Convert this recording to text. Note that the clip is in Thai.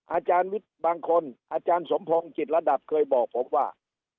อาจารย์วิทย์บางคนอาจารย์สมพงศ์จิตระดับเคยบอกผมว่า